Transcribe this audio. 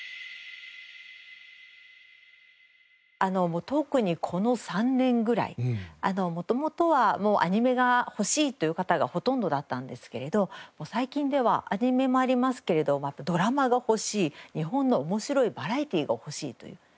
もう特にこの３年ぐらい元々はアニメが欲しいという方がほとんどだったんですけれど最近ではアニメもありますけれどドラマが欲しい日本の面白いバラエティーが欲しいという。